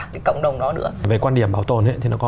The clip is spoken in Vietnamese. cái cộng đồng đó nữa về quan điểm bảo tồn thì nó có